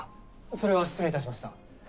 それは失礼いたしました。